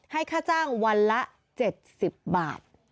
ให้ค่าจ้างวันละ๗๐บาท